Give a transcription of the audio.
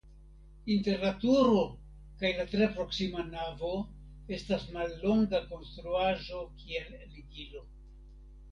Inter la turo kaj la tre proksima navo estas mallonga konstruaĵo kiel ligilo.